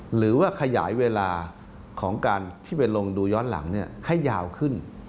หรือว่าขยายเวลาของการที่ไปลงดูย้อนหลังให้ยาวขึ้น